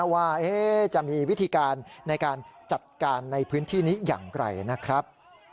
ว่าจะมีวิธีการในการจัดการในพื้นที่นี้อย่างไรนะครับ